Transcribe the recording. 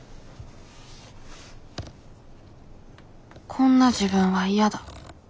「こんな自分は嫌だ」。